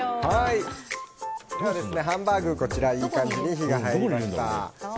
ハンバーグにいい感じに火が入りました。